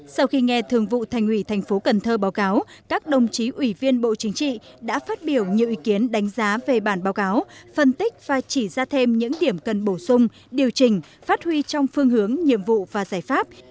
sau khi nghe thường vụ thành ủy thành phố cần thơ báo cáo các đồng chí ủy viên bộ chính trị đã phát biểu nhiều ý kiến đánh giá về bản báo cáo phân tích và chỉ ra thêm những điểm cần bổ sung điều chỉnh phát huy trong phương hướng nhiệm vụ và giải pháp